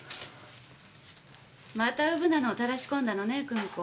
またウブなのをたらしこんだのね久美子。